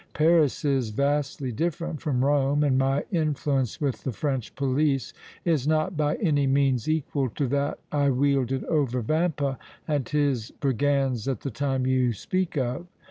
Paris is vastly different from Rome, and my influence with the French police is not by any means equal to that I wielded over Vampa and his brigands at the time you speak of."